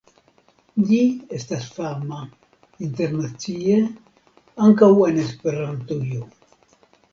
Ĝi estas fama internacie ankaŭ en Esperantujo.